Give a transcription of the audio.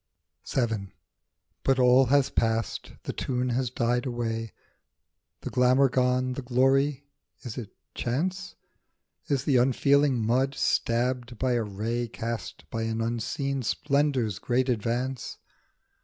1C VII. BUT all has passed, the tune has died away, The glamour gone, the glory ; is it chance ? Is the unfeeling mud stabbed by a ray Cast by an unseen splendour's great advance